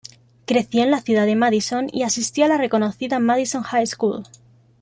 Creció en la ciudad de Madison y asistió a la reconocida Madison High School.